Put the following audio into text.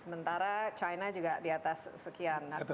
sementara china juga di atas sekian